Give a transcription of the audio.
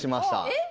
えっ！